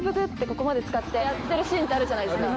ここまでつかってやってるシーンってあるじゃないですか。